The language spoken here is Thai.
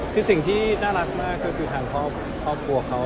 คือสิ่งที่น่ารักมากก็คือทางครอบครัวเขา